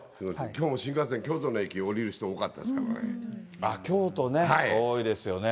きょうも新幹線、京都の駅、降りる人、京都ね、多いですよね。